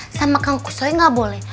sama kang kusoy gak boleh